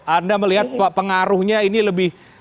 anda melihat pengaruhnya ini lebih